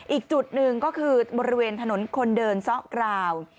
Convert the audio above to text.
อีกจุดหนึ่งก็คือบริเวณถนนคนเดินซะกราว